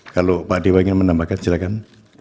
kalau pak dewa ingin menambahkan silakan